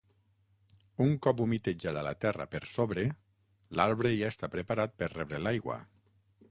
Un cop humitejada la terra per sobre, l'arbre ja està preparat per rebre l'aigua.